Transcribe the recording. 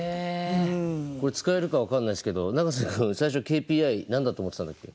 これ使えるか分かんないですけど永瀬君最初ＫＰＩ何だと思ってたんだっけ？